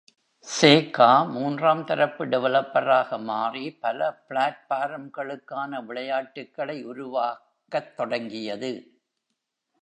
சேகா மூன்றாம் தரப்பு டெவலப்பராக மாறி பல பிளாட்ஃபார்ம்களுக்கான விளையாட்டுகளை உருவாக்கத் தொடங்கியது.